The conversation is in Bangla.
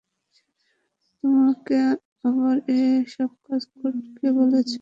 তোমাকে আবার এসব করতে কে বলেছে?